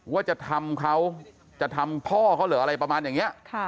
ว่าจะทำเขาจะทำพ่อเขาเหรออะไรประมาณอย่างนี้